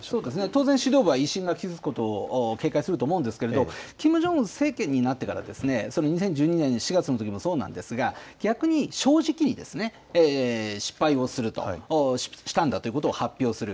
当然、指導部は威信が傷つくことを警戒すると思うんですけれども、キム・ジョンウン政権になってから、２０１２年４月のときもそうなんですが、逆に正直にですね、失敗をしたんだということを発表する。